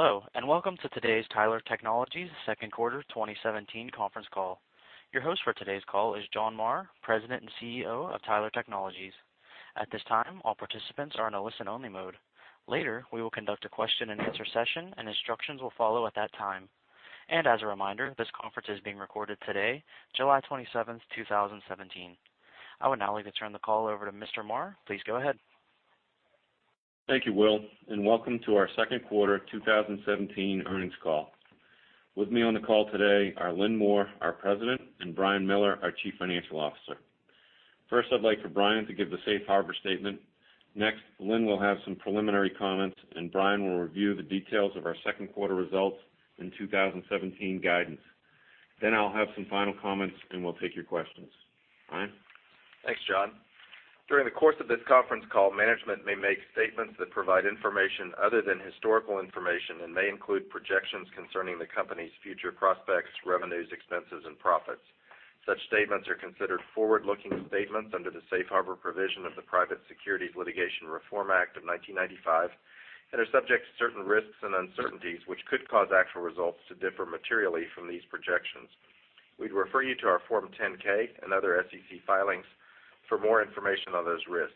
Hello. Welcome to today's Tyler Technologies second quarter 2017 conference call. Your host for today's call is John Marr, President and CEO of Tyler Technologies. At this time, all participants are in a listen-only mode. Later, we will conduct a question-and-answer session, and instructions will follow at that time. As a reminder, this conference is being recorded today, July 27, 2017. I would now like to turn the call over to Mr. Marr. Please go ahead. Thank you, Will. Welcome to our second quarter 2017 earnings call. With me on the call today are Lynn Moore, our President, and Brian Miller, our Chief Financial Officer. First, I'd like Brian to give the safe harbor statement. Next, Lynn will have some preliminary comments. Brian will review the details of our second quarter results and 2017 guidance. I'll have some final comments. We'll take your questions. Brian? Thanks, John. During the course of this conference call, management may make statements that provide information other than historical information and may include projections concerning the company's future prospects, revenues, expenses, and profits. Such statements are considered forward-looking statements under the safe harbor provision of the Private Securities Litigation Reform Act of 1995 and are subject to certain risks and uncertainties which could cause actual results to differ materially from these projections. We'd refer you to our Form 10-K and other SEC filings for more information on those risks.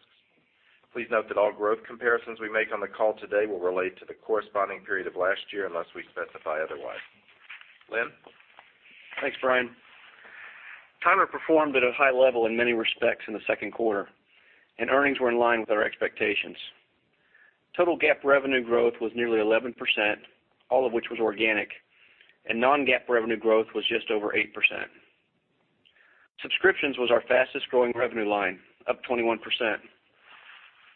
Please note that all growth comparisons we make on the call today will relate to the corresponding period of last year unless we specify otherwise. Lynn? Thanks, Brian. Tyler performed at a high level in many respects in the second quarter. Earnings were in line with our expectations. Total GAAP revenue growth was nearly 11%, all of which was organic. Non-GAAP revenue growth was just over 8%. Subscriptions was our fastest-growing revenue line, up 21%.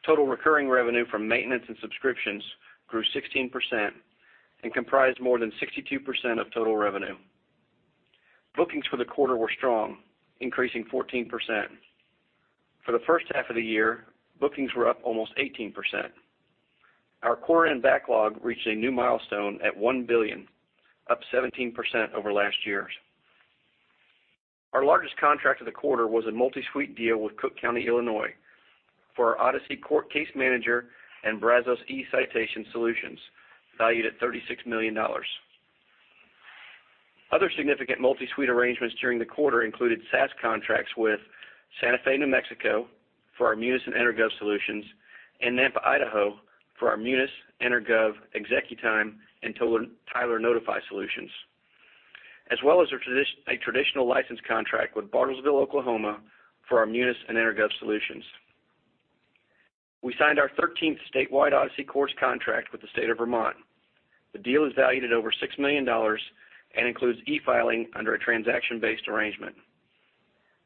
Total recurring revenue from maintenance and subscriptions grew 16% and comprised more than 62% of total revenue. Bookings for the quarter were strong, increasing 14%. For the first half of the year, bookings were up almost 18%. Our quarter-end backlog reached a new milestone at $1 billion, up 17% over last year's. Our largest contract of the quarter was a multi-suite deal with Cook County, Illinois, for our Odyssey Case Manager and Brazos eCitation solutions, valued at $36 million. Other significant multi-suite arrangements during the quarter included SaaS contracts with Santa Fe, New Mexico, for our Munis and EnerGov solutions, and Nampa, Idaho, for our Munis, EnerGov, ExecuTime, and Tyler Notify solutions. As well as a traditional license contract with Bartlesville, Oklahoma, for our Munis and EnerGov solutions. We signed our 13th statewide Odyssey Courts contract with the state of Vermont. The deal is valued at over $6 million and includes e-filing under a transaction-based arrangement.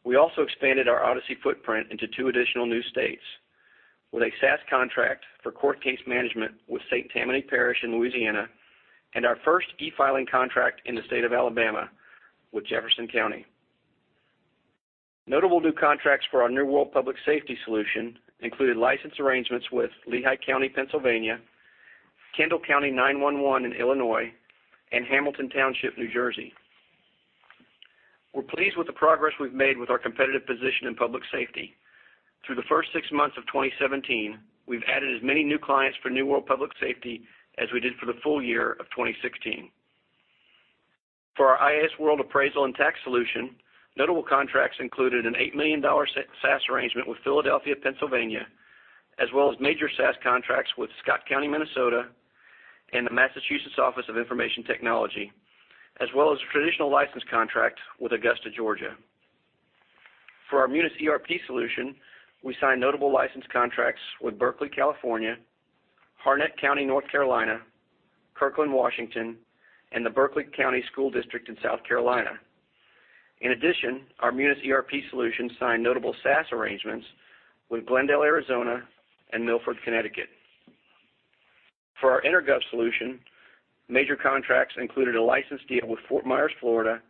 We also expanded our Odyssey footprint into two additional new states with a SaaS contract for court case management with St. Tammany Parish in Louisiana and our first e-filing contract in the state of Alabama with Jefferson County. Notable new contracts for our New World Public Safety solution included license arrangements with Lehigh County, Pennsylvania, Kendall County 911 in Illinois, and Hamilton Township, New Jersey. We're pleased with the progress we've made with our competitive position in public safety. Through the first six months of 2017, we've added as many new clients for New World Public Safety as we did for the full year of 2016. For our iasWorld Appraisal and Tax solution, notable contracts included an $8 million SaaS arrangement with Philadelphia, Pennsylvania, as well as major SaaS contracts with Scott County, Minnesota, and the Massachusetts Office of Information Technology, as well as a traditional license contract with Augusta, Georgia. For our Munis ERP solution, we signed notable license contracts with Berkeley, California, Harnett County, North Carolina, Kirkland, Washington, and the Berkeley County School District in South Carolina. In addition, our Munis ERP solution signed notable SaaS arrangements with Glendale, Arizona, and Milford, Connecticut. For our EnerGov solution, major contracts included a license deal with Fort Myers, Florida,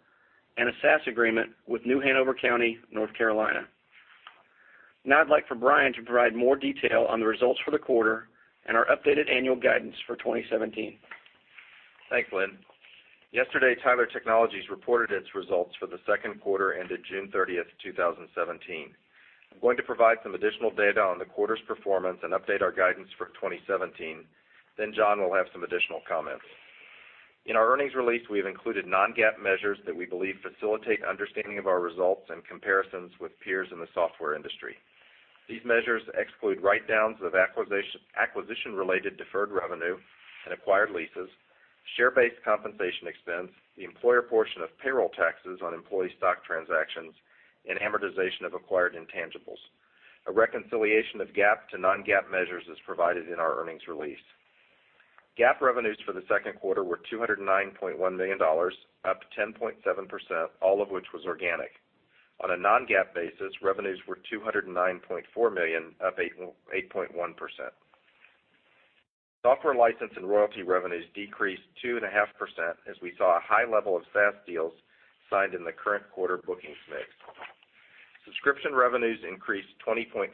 and a SaaS agreement with New Hanover County, North Carolina. I'd like for Brian to provide more detail on the results for the quarter and our updated annual guidance for 2017. Thanks, Lynn. Yesterday, Tyler Technologies reported its results for the second quarter ended June 30th, 2017. I'm going to provide some additional data on the quarter's performance and update our guidance for 2017. John will have some additional comments. In our earnings release, we have included non-GAAP measures that we believe facilitate understanding of our results and comparisons with peers in the software industry. These measures exclude write-downs of acquisition-related deferred revenue and acquired leases, share-based compensation expense, the employer portion of payroll taxes on employee stock transactions, and amortization of acquired intangibles. A reconciliation of GAAP to non-GAAP measures is provided in our earnings release. GAAP revenues for the second quarter were $209.1 million, up 10.7%, all of which was organic. On a non-GAAP basis, revenues were $209.4 million, up 8.1%. Software license and royalty revenues decreased 2.5% as we saw a high level of SaaS deals signed in the current quarter bookings mix. Subscription revenues increased 20.5%.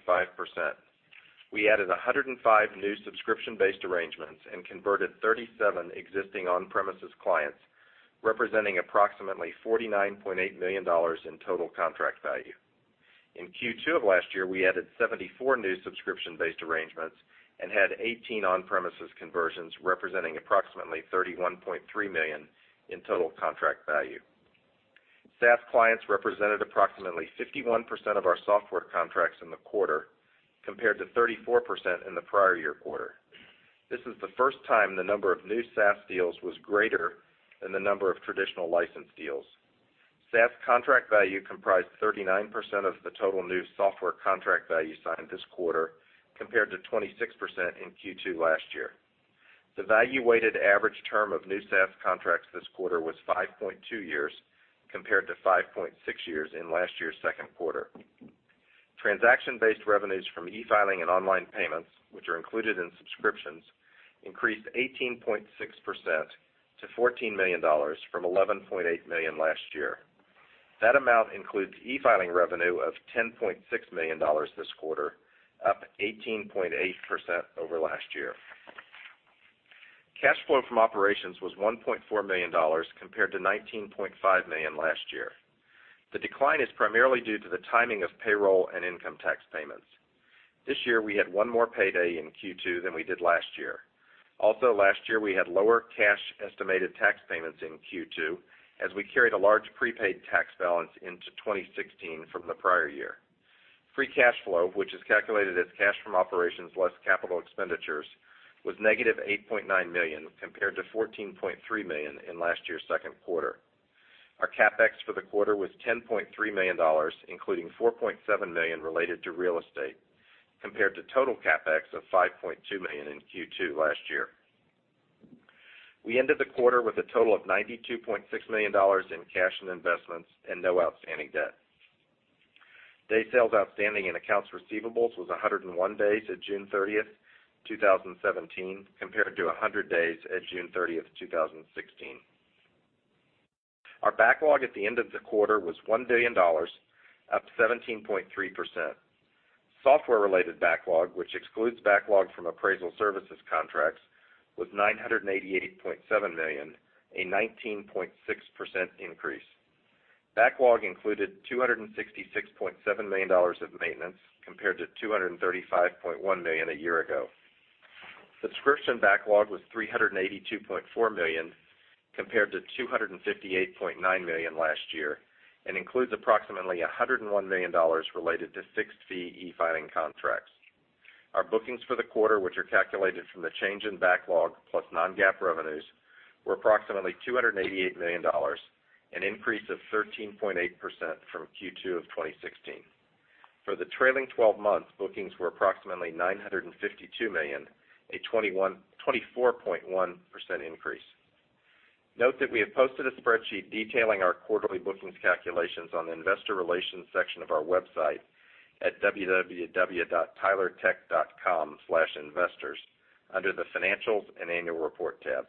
We added 105 new subscription-based arrangements and converted 37 existing on-premises clients, representing approximately $49.8 million in total contract value. In Q2 of last year, we added 74 new subscription-based arrangements and had 18 on-premises conversions, representing approximately $31.3 million in total contract value. SaaS clients represented approximately 51% of our software contracts in the quarter, compared to 34% in the prior year quarter. This is the first time the number of new SaaS deals was greater than the number of traditional licensed deals. SaaS contract value comprised 39% of the total new software contract value signed this quarter, compared to 26% in Q2 last year. The value weighted average term of new SaaS contracts this quarter was 5.2 years, compared to 5.6 years in last year's second quarter. Transaction-based revenues from e-filing and online payments, which are included in subscriptions, increased 18.6% to $14 million from $11.8 million last year. That amount includes e-filing revenue of $10.6 million this quarter, up 18.8% over last year. Cash flow from operations was $1.4 million, compared to $19.5 million last year. The decline is primarily due to the timing of payroll and income tax payments. This year, we had one more payday in Q2 than we did last year. Also, last year, we had lower cash estimated tax payments in Q2 as we carried a large prepaid tax balance into 2016 from the prior year. Free cash flow, which is calculated as cash from operations less capital expenditures, was -$8.9 million, compared to $14.3 million in last year's second quarter. Our CapEx for the quarter was $10.3 million, including $4.7 million related to real estate, compared to total CapEx of $5.2 million in Q2 last year. We ended the quarter with a total of $92.6 million in cash and investments and no outstanding debt. Day sales outstanding in accounts receivables was 101 days at June 30th, 2017, compared to 100 days at June 30th, 2016. Our backlog at the end of the quarter was $1 billion, up 17.3%. Software-related backlog, which excludes backlog from appraisal services contracts, was $988.7 million, a 19.6% increase. Backlog included $266.7 million of maintenance, compared to $235.1 million a year ago. Subscription backlog was $382.4 million, compared to $258.9 million last year and includes approximately $101 million related to fixed fee e-filing contracts. Our bookings for the quarter, which are calculated from the change in backlog plus non-GAAP revenues, were approximately $288 million, an increase of 13.8% from Q2 of 2016. For the trailing 12 months, bookings were approximately $952 million, a 24.1% increase. Note that we have posted a spreadsheet detailing our quarterly bookings calculations on the investor relations section of our website at www.tylertech.com/investors under the Financials and Annual Report tab.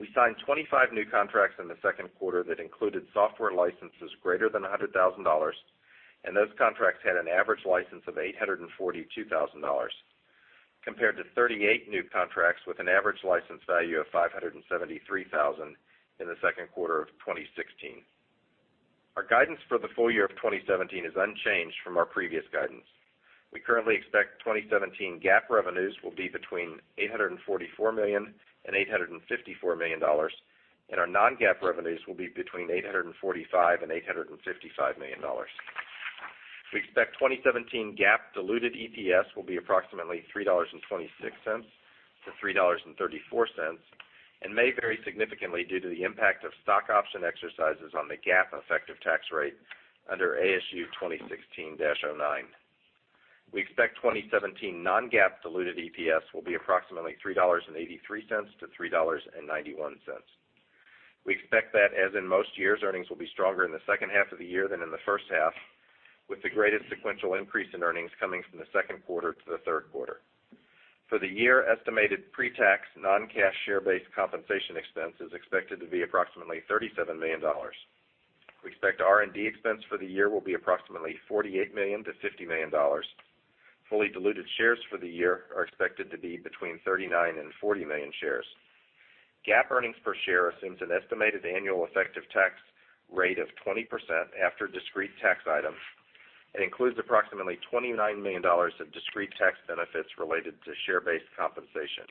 We signed 25 new contracts in the second quarter that included software licenses greater than $100,000, and those contracts had an average license of $842,000, compared to 38 new contracts with an average license value of $573,000 in the second quarter of 2016. Our guidance for the full year of 2017 is unchanged from our previous guidance. We currently expect 2017 GAAP revenues will be between $844 million and $854 million, and our non-GAAP revenues will be between $845 million and $855 million. We expect 2017 GAAP diluted EPS will be approximately $3.26-$3.34 and may vary significantly due to the impact of stock option exercises on the GAAP effective tax rate under ASU 2016-09. We expect 2017 non-GAAP diluted EPS will be approximately $3.83-$3.91. We expect that, as in most years, earnings will be stronger in the second half of the year than in the first half, with the greatest sequential increase in earnings coming from the second quarter to the third quarter. For the year, estimated pre-tax non-cash share-based compensation expense is expected to be approximately $37 million. We expect R&D expense for the year will be approximately $48 million-$50 million. Fully diluted shares for the year are expected to be between 39 million and 40 million shares. GAAP earnings per share assumes an estimated annual effective tax rate of 20% after discrete tax items and includes approximately $29 million of discrete tax benefits related to share-based compensation.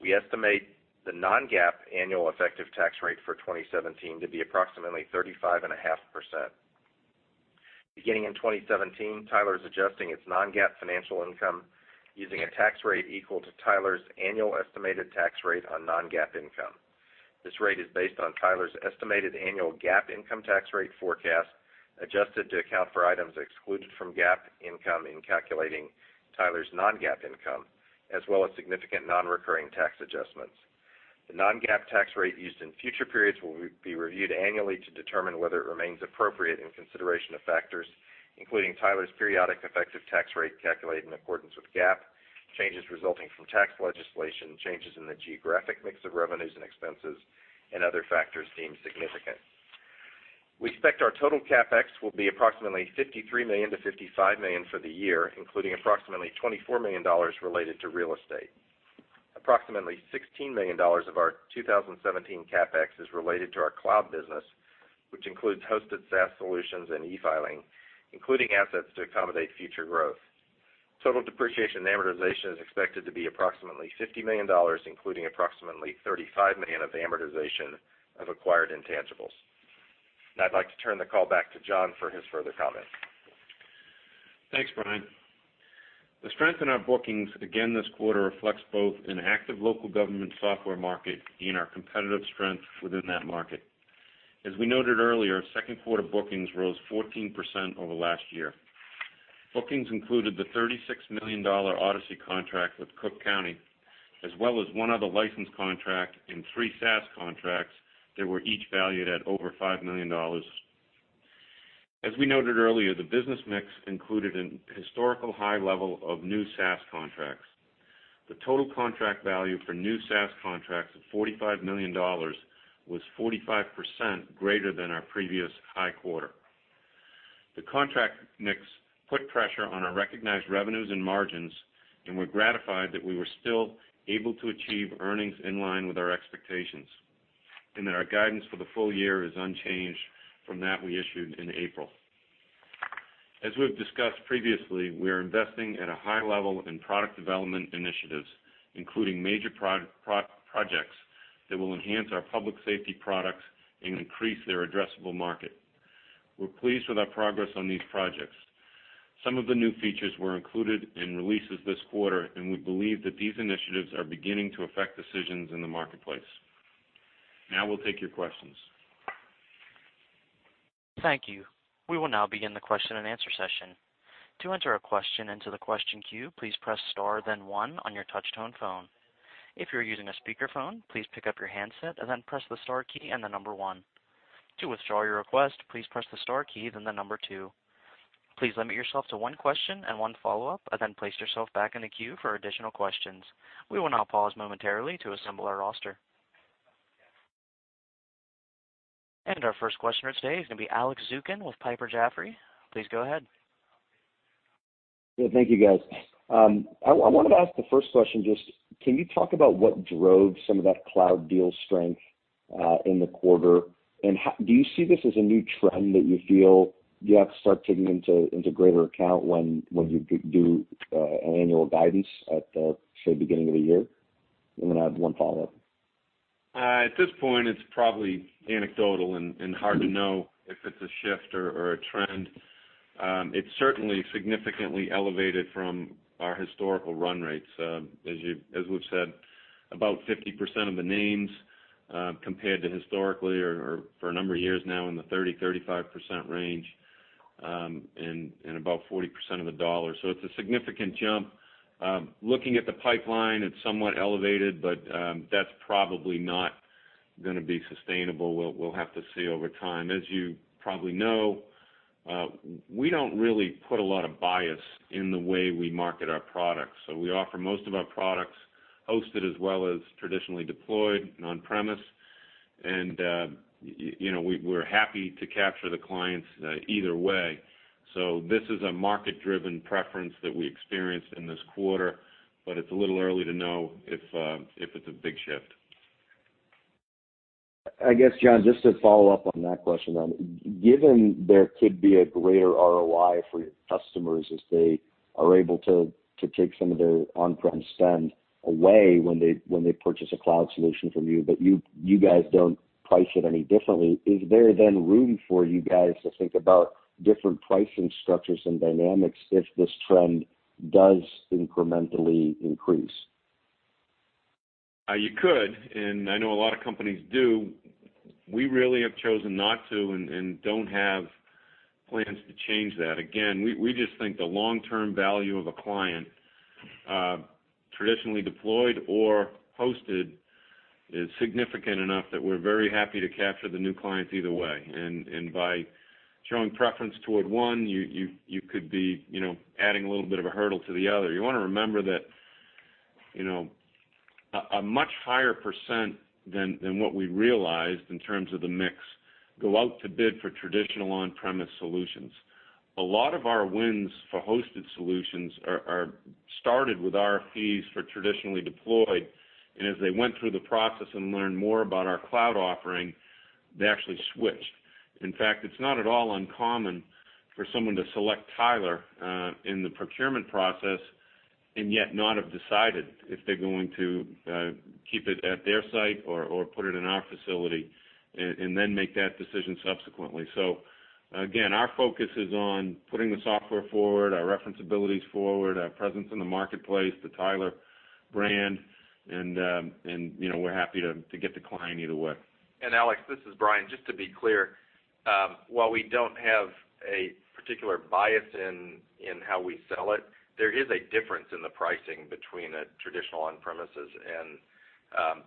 We estimate the non-GAAP annual effective tax rate for 2017 to be approximately 35.5%. Beginning in 2017, Tyler is adjusting its non-GAAP financial income using a tax rate equal to Tyler's annual estimated tax rate on non-GAAP income. This rate is based on Tyler's estimated annual GAAP income tax rate forecast, adjusted to account for items excluded from GAAP income in calculating Tyler's non-GAAP income, as well as significant non-recurring tax adjustments. The non-GAAP tax rate used in future periods will be reviewed annually to determine whether it remains appropriate in consideration of factors, including Tyler's periodic effective tax rate calculated in accordance with GAAP, changes resulting from tax legislation, changes in the geographic mix of revenues and expenses, and other factors deemed significant. We expect our total CapEx will be approximately $53 million-$55 million for the year, including approximately $24 million related to real estate. Approximately $16 million of our 2017 CapEx is related to our cloud business, which includes hosted SaaS solutions and e-filing, including assets to accommodate future growth. Total depreciation and amortization is expected to be approximately $50 million, including approximately $35 million of amortization of acquired intangibles. Now I'd like to turn the call back to John for his further comments. Thanks, Brian. The strength in our bookings again this quarter reflects both an active local government software market and our competitive strength within that market. As we noted earlier, second quarter bookings rose 14% over last year. Bookings included the $36 million Odyssey contract with Cook County, as well as one other licensed contract and three SaaS contracts that were each valued at over $5 million. As we noted earlier, the business mix included an historical high level of new SaaS contracts. The total contract value for new SaaS contracts of $45 million was 45% greater than our previous high quarter. The contract mix put pressure on our recognized revenues and margins, and we're gratified that we were still able to achieve earnings in line with our expectations, and that our guidance for the full year is unchanged from that we issued in April. As we've discussed previously, we are investing at a high level in product development initiatives, including major projects that will enhance our public safety products and increase their addressable market. We're pleased with our progress on these projects. Some of the new features were included in releases this quarter, and we believe that these initiatives are beginning to affect decisions in the marketplace. We'll take your questions. Thank you. We will begin the question and answer session. To enter a question into the question queue, please press star then one on your touch tone phone. If you're using a speakerphone, please pick up your handset, then press the star key and the number one. To withdraw your request, please press the star key, then the number two. Please limit yourself to one question and one follow-up, then place yourself back in the queue for additional questions. We will pause momentarily to assemble our roster. Our first questioner today is going to be Alex Zukin with Piper Jaffray. Please go ahead. Yeah. Thank you, guys. I wanted to ask the first question, just can you talk about what drove some of that cloud deal strength, in the quarter? Do you see this as a new trend that you feel you have to start taking into greater account when you do annual guidance at the beginning of the year? I have one follow-up. At this point, it's probably anecdotal and hard to know if it's a shift or a trend. It's certainly significantly elevated from our historical run rates. As we've said, about 50% of the names, compared to historically or for a number of years now in the 30%-35% range, and about 40% of the dollars. It's a significant jump. Looking at the pipeline, it's somewhat elevated, but that's probably not going to be sustainable. We'll have to see over time. As you probably know, we don't really put a lot of bias in the way we market our products. We offer most of our products hosted as well as traditionally deployed and on-premise, and we're happy to capture the clients either way. This is a market-driven preference that we experienced in this quarter, but it's a little early to know if it's a big shift. I guess, John, just to follow up on that question then, given there could be a greater ROI for your customers as they are able to take some of their on-prem spend away when they purchase a cloud solution from you, but you guys don't price it any differently, is there then room for you guys to think about different pricing structures and dynamics if this trend does incrementally increase? You could, I know a lot of companies do. We really have chosen not to and don't have plans to change that. Again, we just think the long-term value of a client, traditionally deployed or hosted, is significant enough that we're very happy to capture the new clients either way. By showing preference toward one, you could be adding a little bit of a hurdle to the other. You want to remember that a much higher % than what we realized in terms of the mix go out to bid for traditional on-premise solutions. A lot of our wins for hosted solutions started with RFPs for traditionally deployed, and as they went through the process and learned more about our cloud offering, they actually switched. In fact, it's not at all uncommon for someone to select Tyler, in the procurement process, and yet not have decided if they're going to keep it at their site or put it in our facility and then make that decision subsequently. Again, our focus is on putting the software forward, our reference abilities forward, our presence in the marketplace, the Tyler brand, and we're happy to get the client either way. Alex, this is Brian. Just to be clear, while we don't have a particular bias in how we sell it, there is a difference in the pricing between a traditional on-premises and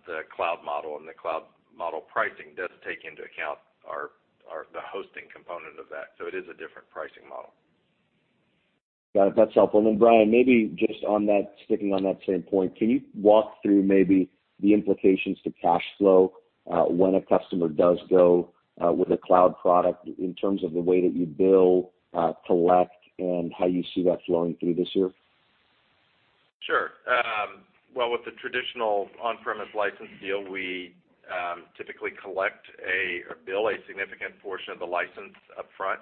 the cloud model. The cloud model pricing does take into account the hosting component of that. It is a different pricing model. Got it. That's helpful. Brian, maybe just sticking on that same point, can you walk through maybe the implications to cash flow, when a customer does go with a cloud product in terms of the way that you bill, collect, and how you see that flowing through this year? Sure. With the traditional on-premise license deal, we typically collect or bill a significant portion of the license upfront,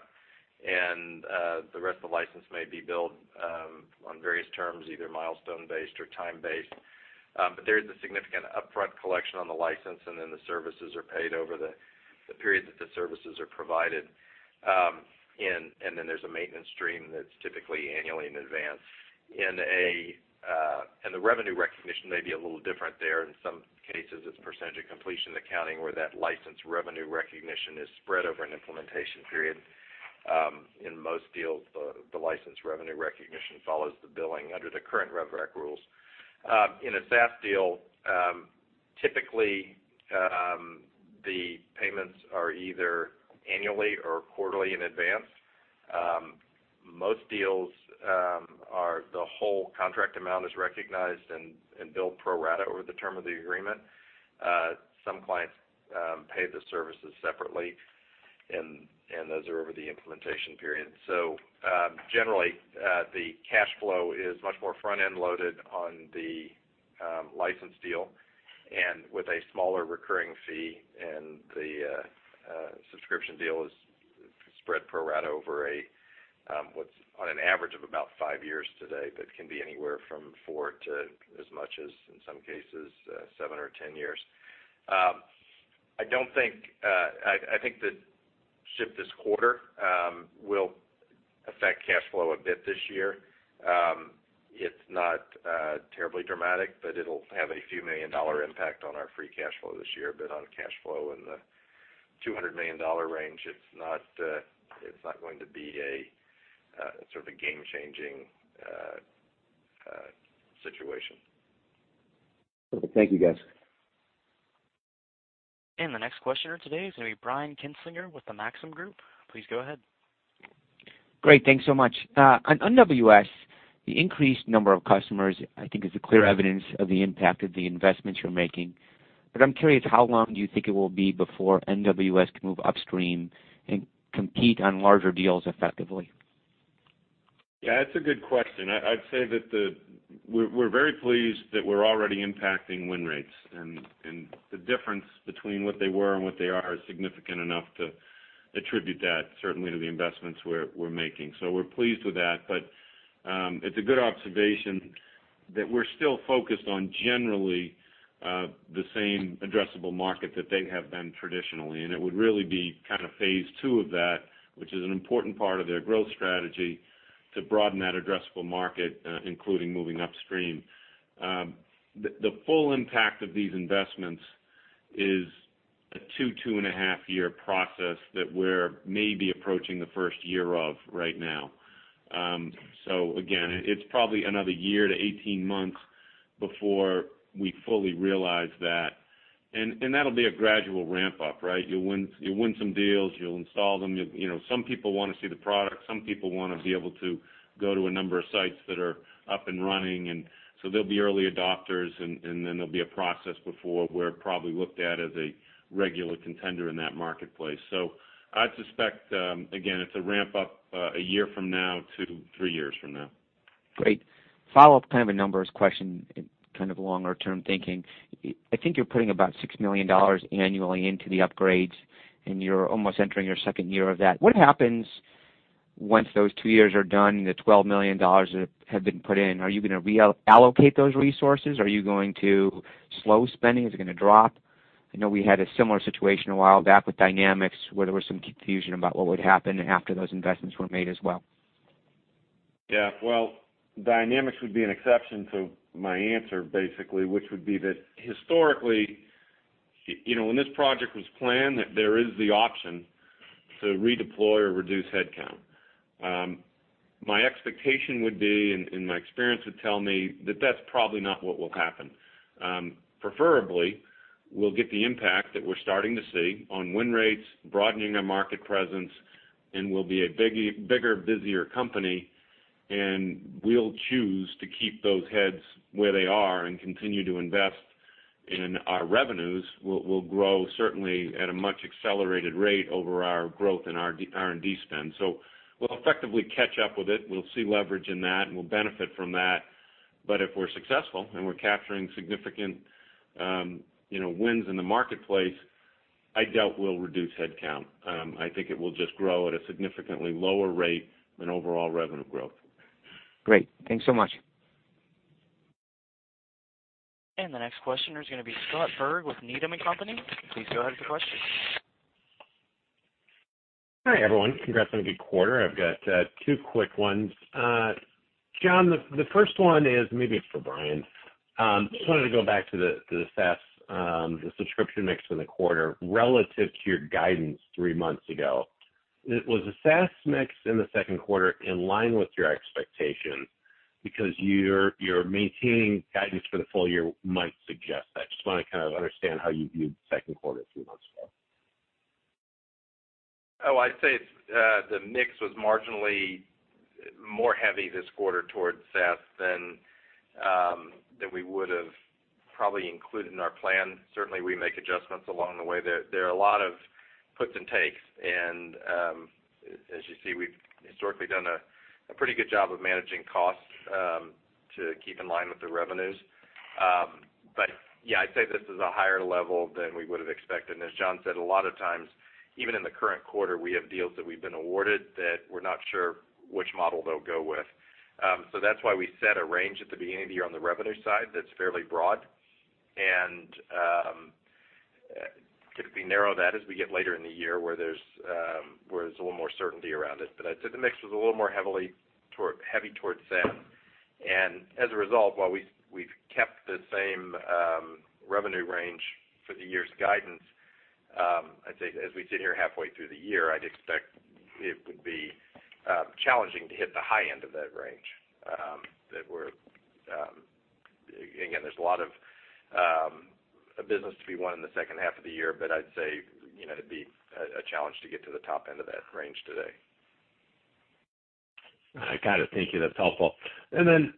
and the rest of the license may be billed on various terms, either milestone-based or time-based. There is a significant upfront collection on the license, and then the services are paid over the period that the services are provided. There's a maintenance stream that's typically annually in advance. The revenue recognition may be a little different there. In some cases, it's percentage of completion accounting, where that license revenue recognition is spread over an implementation period. In most deals, the license revenue recognition follows the billing under the current rev rec rules. In a SaaS deal, typically, the payments are either annually or quarterly in advance. Most deals are the whole contract amount is recognized and billed pro rata over the term of the agreement. Some clients pay the services separately, and those are over the implementation period. Generally, the cash flow is much more front-end loaded on the license deal and with a smaller recurring fee, and the subscription deal is spread pro rata over what's on an average of about 5 years today, but can be anywhere from four to as much as, in some cases, seven or 10 years. I think the shift this quarter will affect cash flow a bit this year. It's not terribly dramatic, but it'll have a few million-dollar impact on our free cash flow this year. On cash flow in the $200 million range, it's not going to be a sort of a game-changing situation. Okay. Thank you, guys. The next questioner today is going to be Brian Kinstlinger with the Maxim Group. Please go ahead. Great. Thanks so much. On NWS, the increased number of customers, I think, is a clear evidence of the impact of the investments you're making. I'm curious, how long do you think it will be before NWS can move upstream and compete on larger deals effectively? It's a good question. I'd say that we're very pleased that we're already impacting win rates, the difference between what they were and what they are is significant enough to attribute that certainly to the investments we're making. We're pleased with that, it's a good observation that we're still focused on generally the same addressable market that they have been traditionally. It would really be kind of phase 2 of that, which is an important part of their growth strategy to broaden that addressable market, including moving upstream. The full impact of these investments is a two and a half year process that we're maybe approaching the first year of right now. Again, it's probably another year to 18 months before we fully realize that, and that'll be a gradual ramp-up, right? You'll win some deals. You'll install them. Some people want to see the product. Some people want to be able to go to a number of sites that are up and running, they'll be early adopters, then there'll be a process before we're probably looked at as a regular contender in that marketplace. I'd suspect again, it's a ramp-up a year from now to three years from now. Great. Follow-up, kind of a numbers question, kind of longer-term thinking. I think you're putting about $6 million annually into the upgrades, and you're almost entering your second year of that. What happens once those 2 years are done and the $12 million have been put in? Are you going to reallocate those resources? Are you going to slow spending? Is it going to drop? I know we had a similar situation a while back with Dynamics, where there was some confusion about what would happen after those investments were made as well. Yeah. Well, Dynamics would be an exception to my answer, basically, which would be that historically, when this project was planned, there is the option to redeploy or reduce headcount. My expectation would be, and my experience would tell me, that that's probably not what will happen. Preferably, we'll get the impact that we're starting to see on win rates, broadening our market presence, and we'll be a bigger, busier company, and we'll choose to keep those heads where they are and continue to invest, and our revenues will grow, certainly, at a much accelerated rate over our growth in our R&D spend. We'll effectively catch up with it. We'll see leverage in that, and we'll benefit from that. If we're successful and we're capturing significant wins in the marketplace, I doubt we'll reduce headcount. I think it will just grow at a significantly lower rate than overall revenue growth. Great. Thanks so much. The next questioner is going to be Scott Berg with Needham & Company. Please go ahead with your question. Hi, everyone. Congrats on a good quarter. I've got two quick ones. John, the first one is maybe for Brian. Just wanted to go back to the SaaS, the subscription mix in the quarter relative to your guidance three months ago. Was the SaaS mix in the second quarter in line with your expectation? Because you're maintaining guidance for the full year might suggest that. Just want to kind of understand how you viewed the second quarter a few months ago. I'd say the mix was marginally more heavy this quarter towards SaaS than we would've probably included in our plan. Certainly, we make adjustments along the way. There are a lot of puts and takes, and as you see, we've historically done a pretty good job of managing costs to keep in line with the revenues. Yeah, I'd say this is a higher level than we would've expected. As John said, a lot of times, even in the current quarter, we have deals that we've been awarded that we're not sure which model they'll go with. That's why we set a range at the beginning of the year on the revenue side that's fairly broad, and typically narrow that as we get later in the year where there's a little more certainty around it. I'd say the mix was a little more heavy towards SaaS. As a result, while we've kept the same revenue range for the year's guidance, I'd say, as we sit here halfway through the year, I'd expect it would be challenging to hit the high end of that range. There's a lot of business to be won in the second half of the year, I'd say, it'd be a challenge to get to the top end of that range today. Got it. Thank you. That's helpful. Then,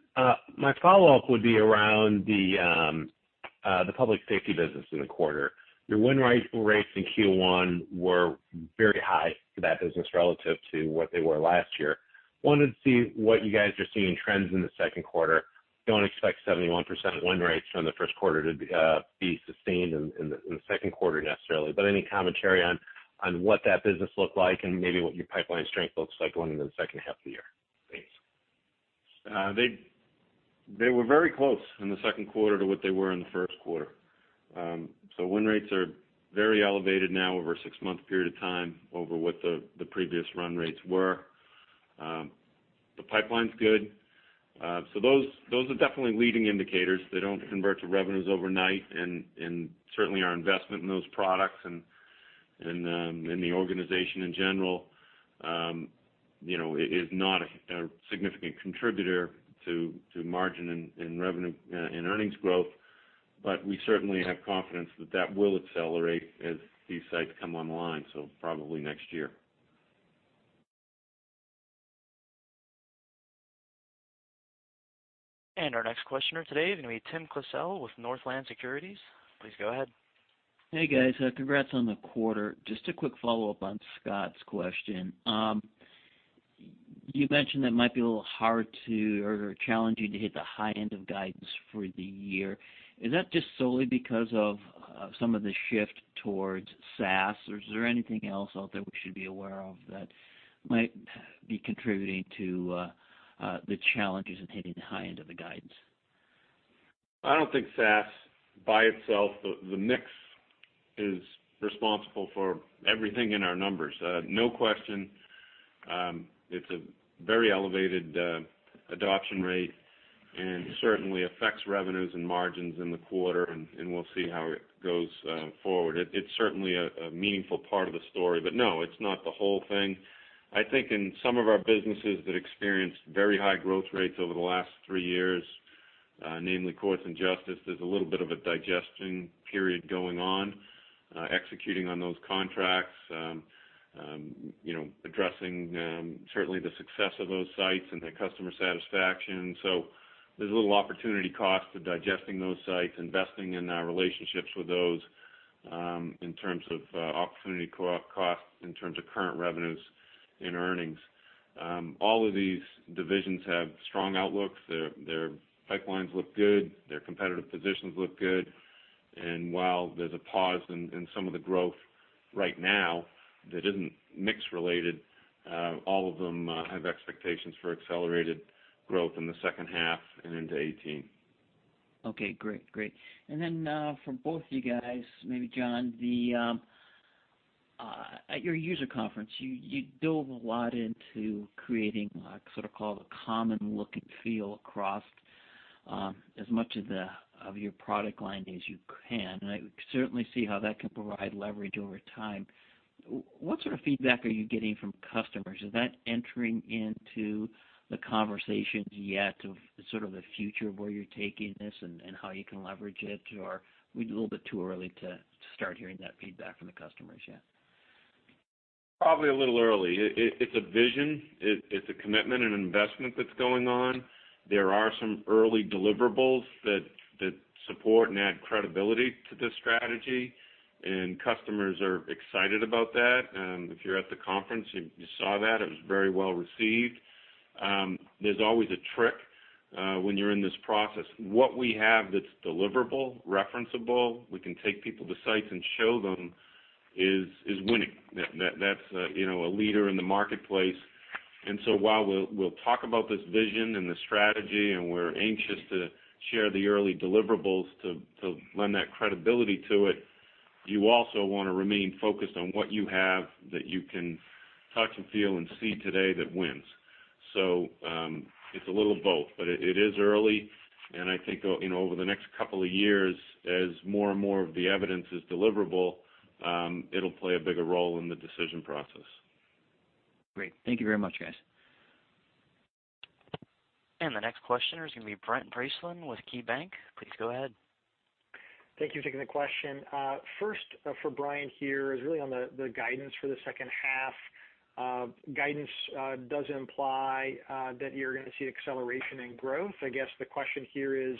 my follow-up would be around the public safety business in the quarter. Your win rates in Q1 were very high for that business relative to what they were last year. Wanted to see what you guys are seeing in trends in the second quarter. Don't expect 71% win rates from the first quarter to be sustained in the second quarter necessarily, any commentary on what that business looked like and maybe what your pipeline strength looks like going into the second half of the year. Thanks. They were very close in the second quarter to what they were in the first quarter. Win rates are very elevated now over a six-month period of time over what the previous run rates were. The pipeline's good. Those are definitely leading indicators. They don't convert to revenues overnight, certainly our investment in those products and in the organization in general is not a significant contributor to margin and revenue and earnings growth. We certainly have confidence that that will accelerate as these sites come online, so probably next year. Our next questioner today is going to be Timothy Klasell with Northland Securities. Please go ahead. Hey, guys. Congrats on the quarter. Just a quick follow-up on Scott's question. You mentioned that it might be a little challenging to hit the high end of guidance for the year. Is that just solely because of some of the shift towards SaaS, or is there anything else out there we should be aware of that might be contributing to the challenges in hitting the high end of the guidance? I don't think SaaS by itself, the mix is responsible for everything in our numbers. No question, it's a very elevated adoption rate. Certainly affects revenues and margins in the quarter, and we'll see how it goes forward. It's certainly a meaningful part of the story. No, it's not the whole thing. I think in some of our businesses that experienced very high growth rates over the last three years, namely Courts & Justice, there's a little bit of a digestion period going on, executing on those contracts, addressing certainly the success of those sites and the customer satisfaction. There's a little opportunity cost to digesting those sites, investing in our relationships with those, in terms of opportunity cost, in terms of current revenues and earnings. All of these divisions have strong outlooks. Their pipelines look good, their competitive positions look good. While there's a pause in some of the growth right now that isn't mix-related, all of them have expectations for accelerated growth in the second half and into 2018. Okay, great. For both of you guys, maybe John, at your user conference, you dove a lot into creating a sort of common look and feel across as much of your product line as you can, and I certainly see how that can provide leverage over time. What sort of feedback are you getting from customers? Is that entering into the conversations yet of sort of the future of where you're taking this and how you can leverage it? Are we a little bit too early to start hearing that feedback from the customers yet? Probably a little early. It's a vision. It's a commitment, an investment that's going on. There are some early deliverables that support and add credibility to this strategy, and customers are excited about that. If you were at the conference, you saw that. It was very well received. There's always a trick when you're in this process. What we have that's deliverable, referenceable, we can take people to sites and show them, is winning. That's a leader in the marketplace. While we'll talk about this vision and the strategy, and we're anxious to share the early deliverables to lend that credibility to it, you also want to remain focused on what you have that you can touch and feel and see today that wins. It's a little of both, but it is early, and I think over the next couple of years, as more and more of the evidence is deliverable, it'll play a bigger role in the decision process. Great. Thank you very much, guys. The next questioner is going to be Brent Bracelin with KeyBank. Please go ahead. Thank you for taking the question. First, for Brian, is really on the guidance for the second half. Guidance does imply that you're going to see an acceleration in growth. I guess the question here is,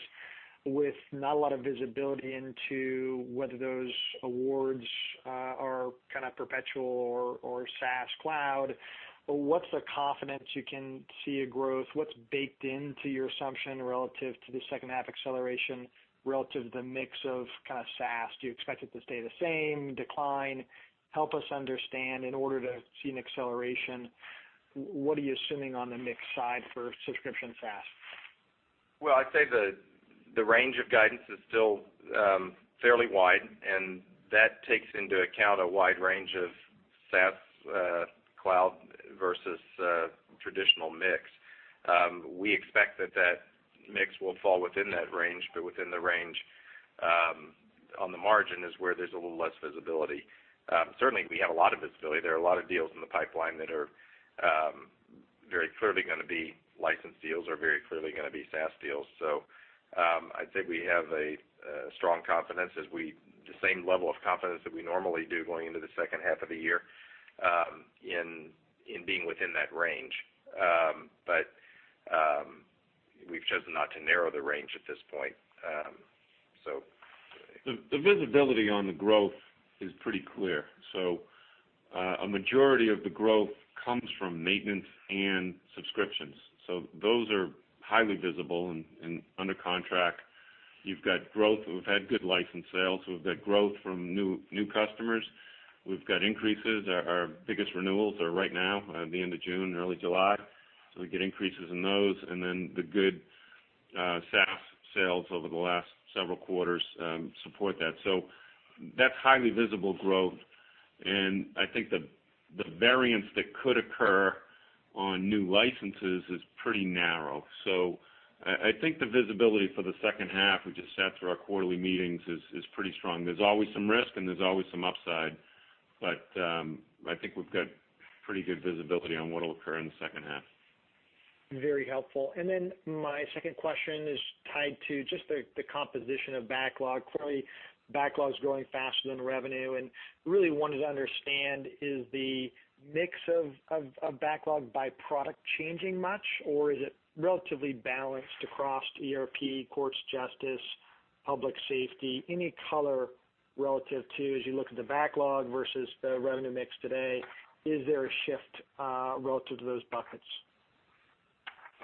with not a lot of visibility into whether those awards are perpetual or SaaS Cloud, what's the confidence you can see a growth? What's baked into your assumption relative to the second half acceleration, relative to the mix of SaaS? Do you expect it to stay the same, decline? Help us understand, in order to see an acceleration, what are you assuming on the mix side for subscription SaaS? I'd say the range of guidance is still fairly wide, and that takes into account a wide range of SaaS Cloud versus traditional mix. We expect that mix will fall within that range, within the range on the margin is where there's a little less visibility. Certainly, we have a lot of visibility. There are a lot of deals in the pipeline that are very clearly going to be license deals or very clearly going to be SaaS deals. I'd say we have a strong confidence, the same level of confidence that we normally do going into the second half of the year, in being within that range. We've chosen not to narrow the range at this point. The visibility on the growth is pretty clear. A majority of the growth comes from maintenance and subscriptions. Those are highly visible and under contract. We've had good license sales. We've got growth from new customers. We've got increases. Our biggest renewals are right now, the end of June, early July. We get increases in those, and then the good SaaS sales over the last several quarters support that. That's highly visible growth, I think the variance that could occur on new licenses is pretty narrow. I think the visibility for the second half, we just sat through our quarterly meetings, is pretty strong. There's always some risk and there's always some upside, I think we've got pretty good visibility on what'll occur in the second half. Very helpful. My second question is tied to just the composition of backlog. Clearly, backlog's growing faster than revenue, really wanted to understand, is the mix of backlog by product changing much, or is it relatively balanced across ERP, Courts, Justice, Public Safety? Any color relative to, as you look at the backlog versus the revenue mix today, is there a shift, relative to those buckets?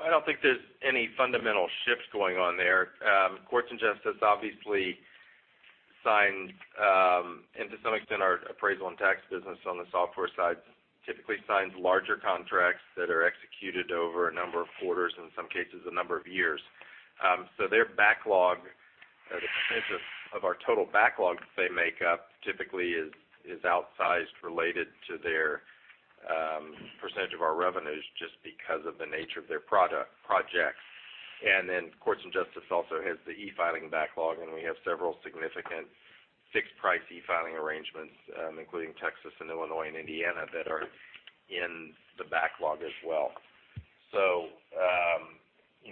I don't think there's any fundamental shifts going on there. Courts & Justice, obviously, signs, and to some extent, our appraisal and tax business on the software side typically signs larger contracts that are executed over a number of quarters, in some cases, a number of years. Their backlog, the percentage of our total backlog that they make up, typically is outsized related to their percentage of our revenues just because of the nature of their projects. Courts & Justice also has the e-filing backlog, and we have several significant fixed price e-filing arrangements, including Texas and Illinois and Indiana, that are in the backlog as well.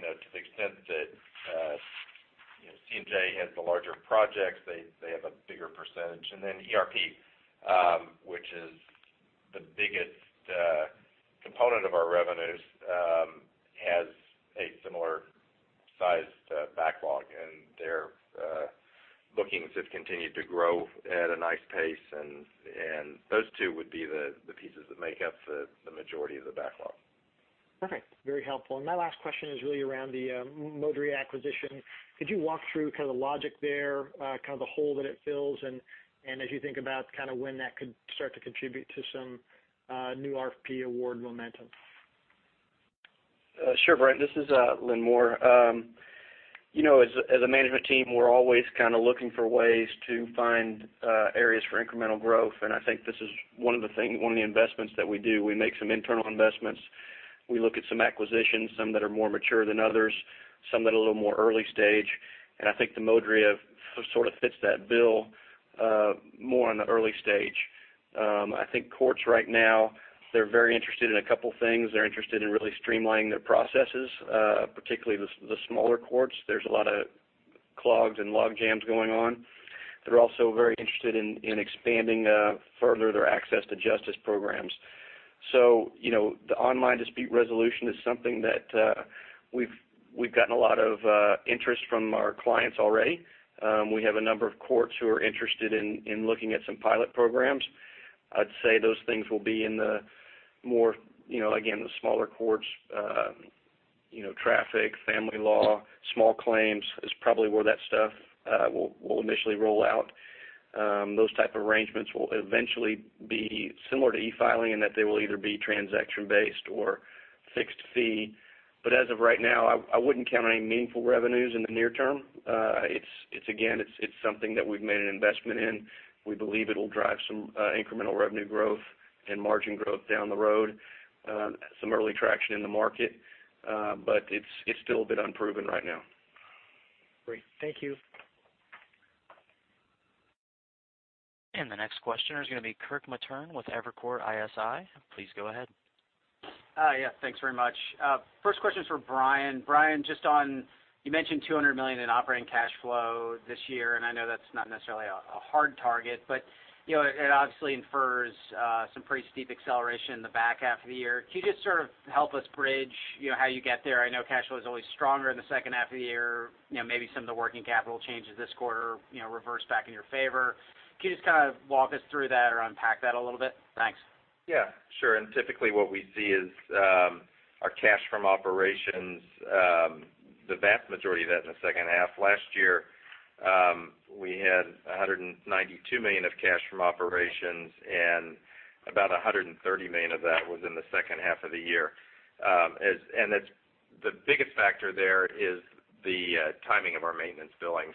To the extent that C&J has the larger projects, they have a bigger percentage. ERP, which is the biggest component of our revenues, has a similar sized backlog, and their bookings have continued to grow at a nice pace. Those two would be the pieces that make up the majority of the backlog. Perfect. Very helpful. My last question is really around the Modria acquisition. Could you walk through the logic there, the hole that it fills, and as you think about when that could start to contribute to some new RFP award momentum? Sure, Brian. This is Lynn Moore. As a management team, we're always looking for ways to find areas for incremental growth, and I think this is one of the investments that we do. We make some internal investments. We look at some acquisitions, some that are more mature than others, some that are a little more early stage, and I think the Modria sort of fits that bill, more on the early stage. I think Courts right now, they're very interested in a couple things. They're interested in really streamlining their processes, particularly the smaller Courts. There's a lot of clogs and log jams going on. They're also very interested in expanding further their access to justice programs. The online dispute resolution is something that we've gotten a lot of interest from our clients already. We have a number of courts who are interested in looking at some pilot programs. I'd say those things will be in the more, again, the smaller courts, traffic, family law, small claims, is probably where that stuff will initially roll out. Those type of arrangements will eventually be similar to e-filing in that they will either be transaction based or fixed fee. As of right now, I wouldn't count on any meaningful revenues in the near term. Again, it's something that we've made an investment in. We believe it'll drive some incremental revenue growth and margin growth down the road. Some early traction in the market. It's still a bit unproven right now. Great. Thank you. The next questioner is going to be Kirk Materne with Evercore ISI. Please go ahead. Yeah, thanks very much. First question's for Brian. Brian, you mentioned $200 million in operating cash flow this year, I know that's not necessarily a hard target, it obviously infers some pretty steep acceleration in the back half of the year. Can you just help us bridge how you get there? I know cash flow is always stronger in the second half of the year. Maybe some of the working capital changes this quarter reverse back in your favor. Can you just walk us through that or unpack that a little bit? Thanks. Typically, what we see is our cash from operations, the vast majority of that in the second half. Last year, we had $192 million of cash from operations, and about $130 million of that was in the second half of the year. The biggest factor there is the timing of our maintenance billings.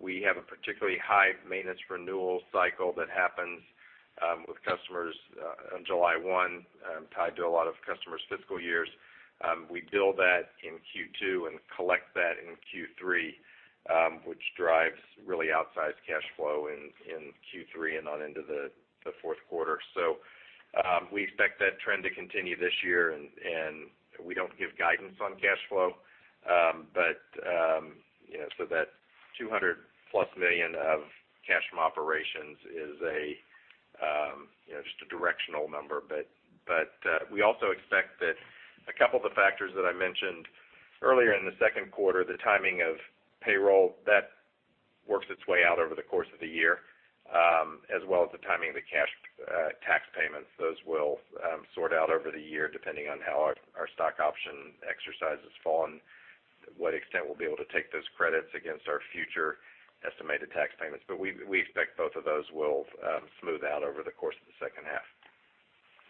We have a particularly high maintenance renewal cycle that happens with customers on July 1, tied to a lot of customers' fiscal years. We bill that in Q2 and collect that in Q3, which drives really outsized cash flow in Q3 and on into the fourth quarter. We expect that trend to continue this year, and we don't give guidance on cash flow. That $200-plus million of cash from operations is just a directional number. We also expect that a couple of the factors that I mentioned earlier in the second quarter, the timing of payroll, that works its way out over the course of the year, as well as the timing of the cash tax payments. Those will sort out over the year, depending on how our stock option exercises fall and what extent we'll be able to take those credits against our future estimated tax payments. We expect both of those will smooth out over the course of the second half.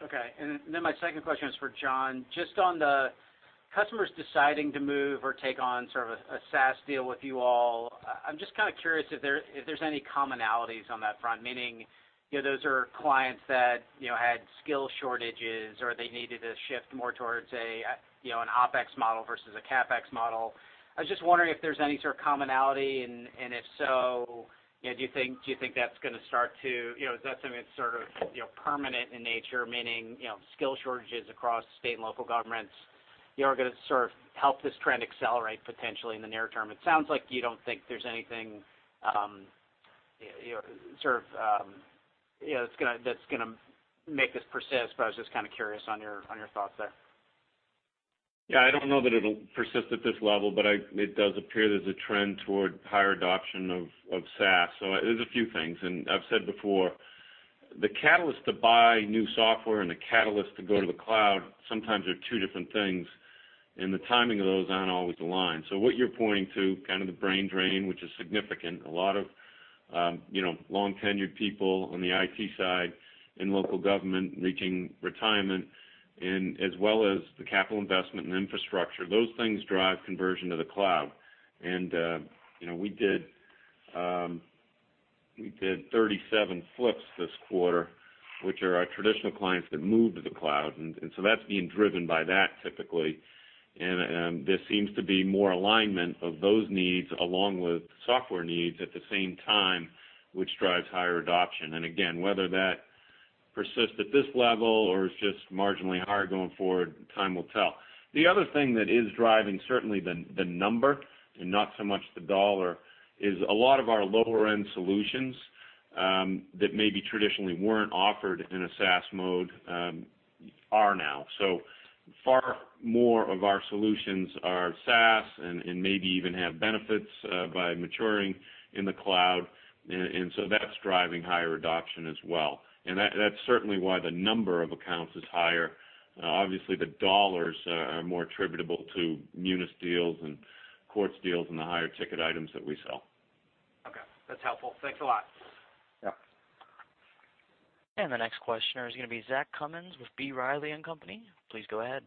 Okay. My second question is for John. Just on the customers deciding to move or take on sort of a SaaS deal with you all, I'm just curious if there's any commonalities on that front, meaning, those are clients that had skill shortages or they needed to shift more towards an OpEx model versus a CapEx model. I was just wondering if there's any sort of commonality, and if so, do you think that's going to is that something that's permanent in nature, meaning, skill shortages across state and local governments are going to help this trend accelerate potentially in the near term? It sounds like you don't think there's anything that's going to make this persist, but I was just curious on your thoughts there. Yeah, I don't know that it'll persist at this level, but it does appear there's a trend toward higher adoption of SaaS. There's a few things, and I've said before, the catalyst to buy new software and the catalyst to go to the cloud sometimes are two different things, and the timing of those aren't always aligned. What you're pointing to, kind of the brain drain, which is significant. A lot of long-tenured people on the IT side in local government reaching retirement and as well as the capital investment and infrastructure, those things drive conversion to the cloud. We did 37 flips this quarter, which are our traditional clients that move to the cloud, and so that's being driven by that typically. There seems to be more alignment of those needs along with software needs at the same time, which drives higher adoption. Again, whether that persists at this level or is just marginally higher going forward, time will tell. The other thing that is driving certainly the number and not so much the dollar is a lot of our lower-end solutions, that maybe traditionally weren't offered in a SaaS mode, are now. Far more of our solutions are SaaS and maybe even have benefits by maturing in the cloud, and so that's driving higher adoption as well. That's certainly why the number of accounts is higher. Obviously, the dollars are more attributable to Munis deals and Courts deals and the higher-ticket items that we sell. Okay. That's helpful. Thanks a lot. Yeah. The next questioner is going to be Zach Cummins with B. Riley Securities, Inc.. Please go ahead.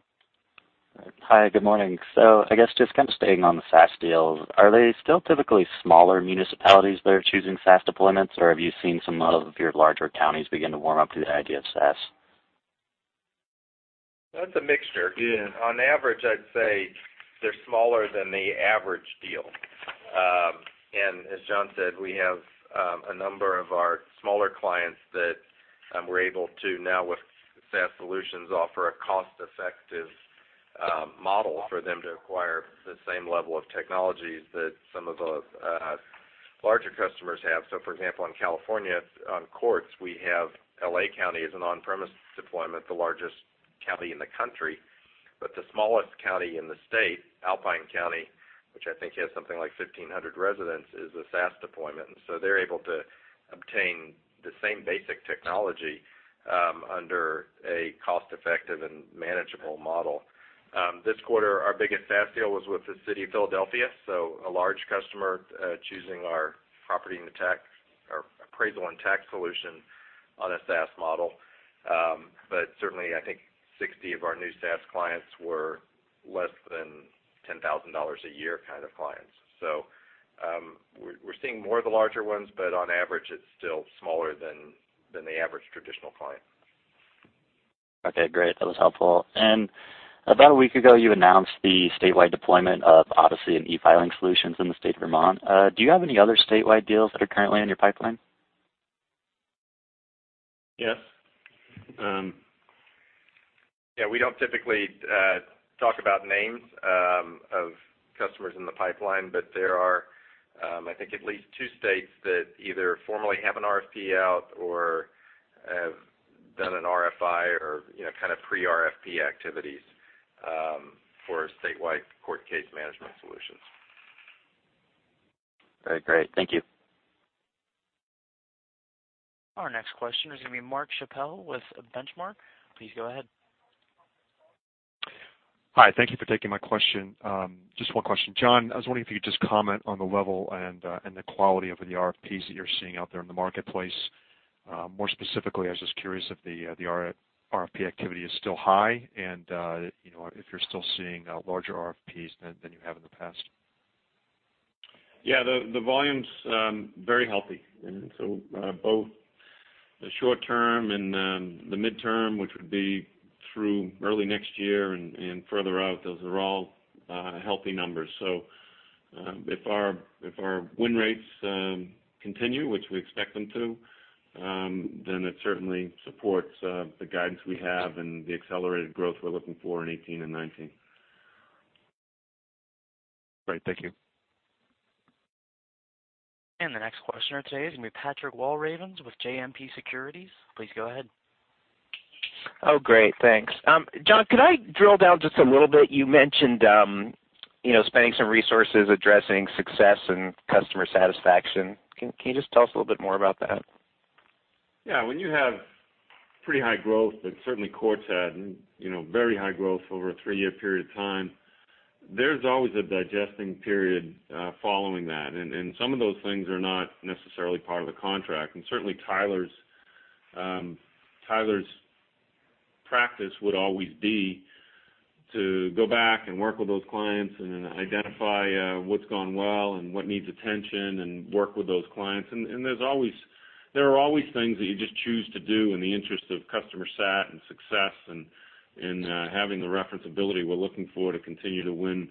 Hi. Good morning. I guess just kind of staying on the SaaS deals, are they still typically smaller municipalities that are choosing SaaS deployments, or have you seen some of your larger counties begin to warm up to the idea of SaaS? It's a mixture. On average, I'd say they're smaller than the average deal. As John said, we have a number of our smaller clients that we're able to now with SaaS solutions, offer a cost-effective model for them to acquire the same level of technologies that some of the larger customers have. For example, in California, on courts, we have L.A. County as an on-premise deployment, the largest county in the country. The smallest county in the state, Alpine County, which I think has something like 1,500 residents, is a SaaS deployment. They're able to obtain the same basic technology under a cost-effective and manageable model. This quarter, our biggest SaaS deal was with the City of Philadelphia, a large customer, choosing our appraisal and tax solution on a SaaS model. Certainly, I think 60 of our new SaaS clients were less than $10,000 a year kind of clients. We're seeing more of the larger ones, but on average, it's still smaller than the average traditional client. Okay, great. That was helpful. About a week ago, you announced the statewide deployment of Odyssey and e-filing solutions in the state of Vermont. Do you have any other statewide deals that are currently in your pipeline? Yes. We don't typically talk about names of customers in the pipeline, there are, I think, at least two states that either formally have an RFP out or have done an RFI or pre-RFP activities for statewide court case management solutions. Very great. Thank you. Our next question is going to be Mark Strouse with Benchmark. Please go ahead. Hi. Thank you for taking my question. Just one question. John, I was wondering if you could just comment on the level and the quality of the RFPs that you're seeing out there in the marketplace. More specifically, I was just curious if the RFP activity is still high and if you're still seeing larger RFPs than you have in the past. Yeah, the volume's very healthy. Both the short term and the midterm, which would be through early next year and further out, those are all healthy numbers. If our win rates continue, which we expect them to, then it certainly supports the guidance we have and the accelerated growth we're looking for in 2018 and 2019. Great. Thank you. The next questioner today is going to be Patrick Walravens with JMP Securities. Please go ahead. Great. Thanks. John, could I drill down just a little bit? You mentioned spending some resources addressing success and customer satisfaction. Can you just tell us a little bit more about that? Yeah. When you have pretty high growth, and certainly Courts had very high growth over a three-year period of time, there's always a digesting period following that, and some of those things are not necessarily part of the contract. Certainly, Tyler's practice would always be to go back and work with those clients and identify what's gone well and what needs attention and work with those clients. There are always things that you just choose to do in the interest of customer sat and success and having the reference ability we're looking for to continue to win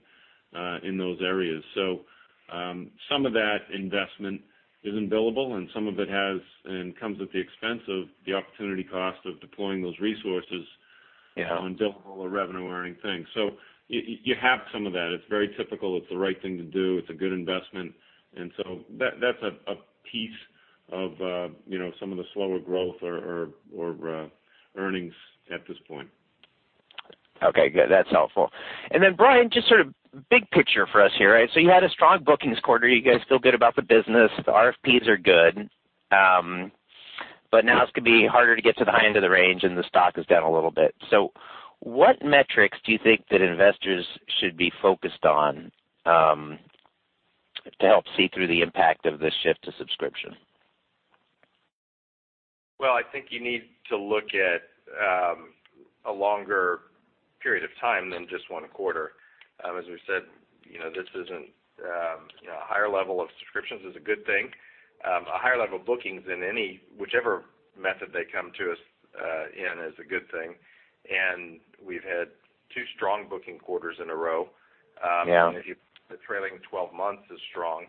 in those areas. Some of that investment isn't billable, and some of it has and comes at the expense of the opportunity cost of deploying those resources. Yeah on billable or revenue-earning things. You have some of that. It's very typical. It's the right thing to do. It's a good investment. That's a piece of some of the slower growth or earnings at this point. Okay, good. That's helpful. Then, Brian, just sort of big picture for us here. You had a strong bookings quarter. You guys feel good about the business. The RFPs are good. Now it's going to be harder to get to the high end of the range, and the stock is down a little bit. What metrics do you think that investors should be focused on to help see through the impact of the shift to subscription? Well, I think you need to look at a longer period of time than just one quarter. As we've said, a higher level of subscriptions is a good thing. A higher level of bookings in whichever method they come to us in is a good thing. We've had two strong booking quarters in a row. Yeah. The trailing 12 months is strong.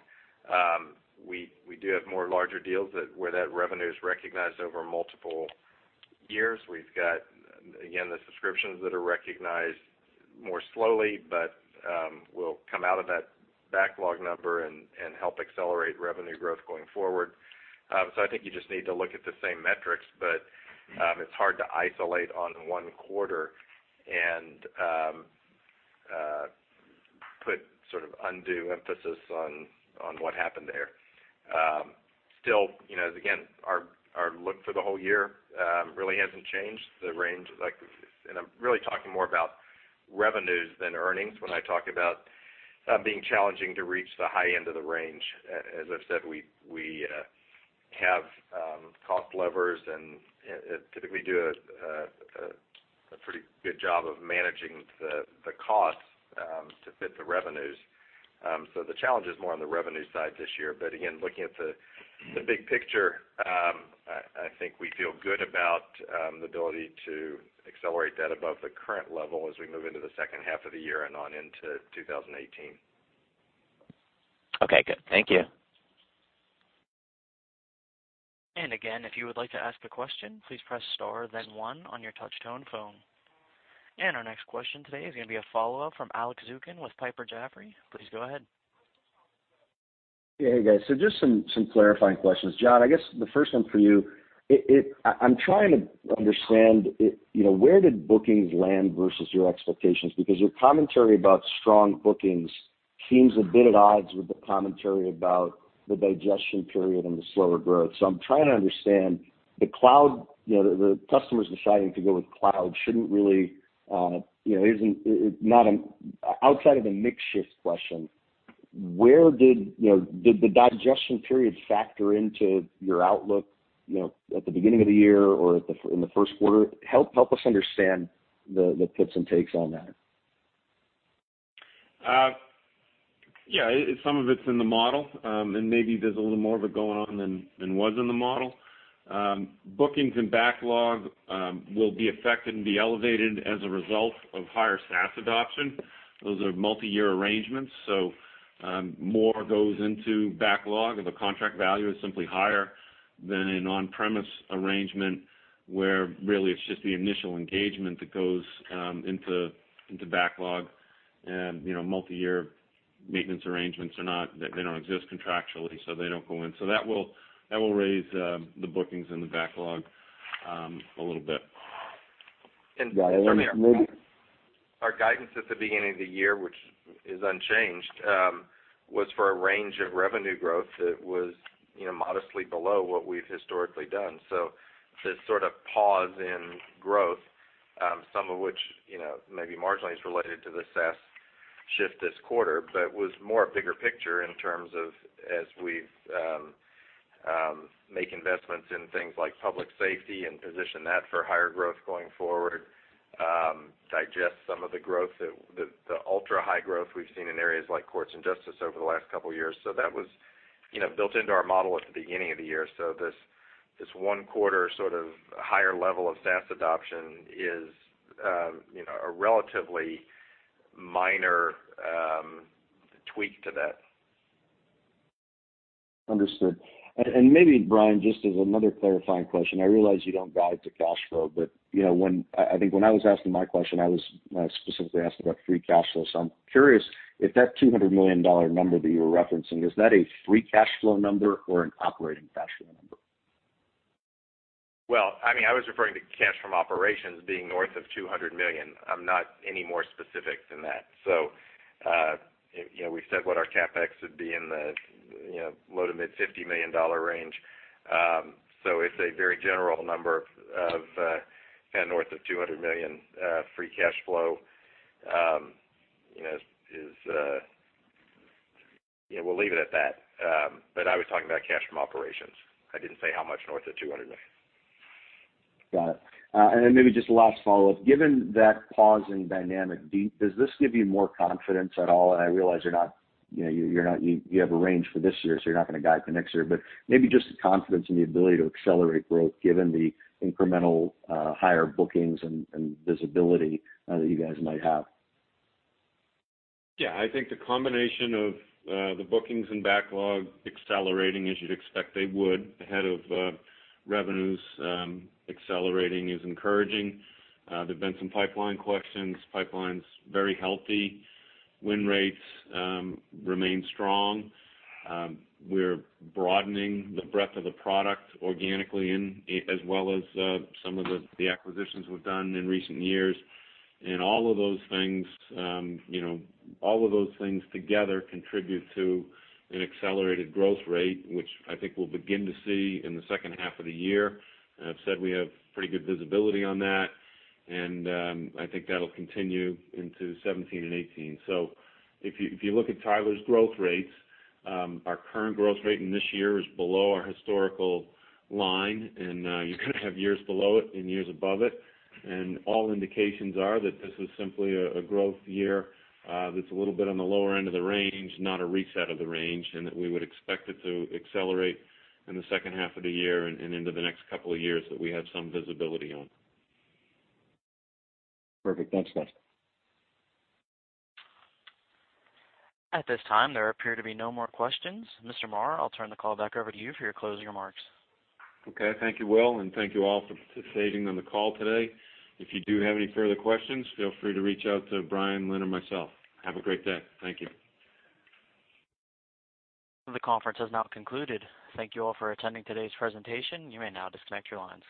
We do have more larger deals where that revenue is recognized over multiple years. We've got, again, the subscriptions that are recognized more slowly but will come out of that backlog number and help accelerate revenue growth going forward. I think you just need to look at the same metrics, but it's hard to isolate on one quarter and put sort of undue emphasis on what happened there. Still, again, our look for the whole year really hasn't changed. The range is like, and I'm really talking more about revenues than earnings when I talk about being challenging to reach the high end of the range. As I've said, we have cost levers, typically do a pretty good job of managing the cost to fit the revenues. The challenge is more on the revenue side this year. Again, looking at the big picture, I think we feel good about the ability to accelerate that above the current level as we move into the second half of the year and on into 2018. Okay, good. Thank you. Again, if you would like to ask a question, please press star then one on your touch-tone phone. Our next question today is going to be a follow-up from Alex Zukin with Piper Jaffray. Please go ahead. Hey, guys. Just some clarifying questions. John, I guess the first one for you, I'm trying to understand where did bookings land versus your expectations? Your commentary about strong bookings seems a bit at odds with the commentary about the digestion period and the slower growth. I'm trying to understand the customers deciding to go with cloud. Outside of a mix shift question, did the digestion period factor into your outlook at the beginning of the year or in the first quarter? Help us understand the gives and takes on that. Yeah, some of it's in the model, maybe there's a little more of it going on than was in the model. Bookings and backlog will be affected and be elevated as a result of higher SaaS adoption. Those are multi-year arrangements, so more goes into backlog. The contract value is simply higher than an on-premise arrangement, where really it's just the initial engagement that goes into backlog, and multi-year maintenance arrangements are not. They don't exist contractually, so they don't go in. That will raise the bookings and the backlog a little bit. And- Got it. Our guidance at the beginning of the year, which is unchanged, was for a range of revenue growth that was modestly below what we've historically done. This sort of pause in growth, some of which maybe marginally is related to the SaaS shift this quarter, but was more bigger picture in terms of as we make investments in things like public safety and position that for higher growth going forward, digest some of the ultra-high growth we've seen in areas like courts and justice over the last couple of years. That was built into our model at the beginning of the year. This one quarter higher level of SaaS adoption is a relatively minor tweak to that. Understood. Maybe, Brian, just as another clarifying question, I realize you don't guide to cash flow, but I think when I was asking my question, I was specifically asking about free cash flow. I'm curious if that $200 million number that you were referencing, is that a free cash flow number or an operating cash flow number? I was referring to cash from operations being north of $200 million. I'm not any more specific than that. We've said what our CapEx would be in the low to mid $50 million range. It's a very general number of north of $200 million free cash flow. We'll leave it at that. I was talking about cash from operations. I didn't say how much north of $200 million. Got it. Maybe just a last follow-up. Given that pause in dynamic, does this give you more confidence at all? I realize you have a range for this year, so you're not going to guide for next year, but maybe just the confidence in the ability to accelerate growth given the incremental higher bookings and visibility that you guys might have. Yeah, I think the combination of the bookings and backlog accelerating as you'd expect they would, ahead of revenues accelerating is encouraging. There have been some pipeline questions. Pipeline's very healthy. Win rates remain strong. We're broadening the breadth of the product organically as well as some of the acquisitions we've done in recent years. All of those things together contribute to an accelerated growth rate, which I think we'll begin to see in the second half of the year. I've said we have pretty good visibility on that, and I think that'll continue into 2017 and 2018. If you look at Tyler's growth rates, our current growth rate in this year is below our historical line, and you're going to have years below it and years above it. All indications are that this is simply a growth year that's a little bit on the lower end of the range, not a reset of the range, and that we would expect it to accelerate in the second half of the year and into the next couple of years that we have some visibility on. Perfect. Thanks, guys. At this time, there appear to be no more questions. Mr. Marr, I'll turn the call back over to you for your closing remarks. Okay. Thank you, Will, thank you all for participating on the call today. If you do have any further questions, feel free to reach out to Brian, Lynn, or myself. Have a great day. Thank you. The conference has now concluded. Thank you all for attending today's presentation. You may now disconnect your lines.